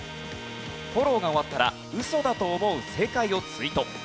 フォローが終わったらウソだと思う正解をツイート。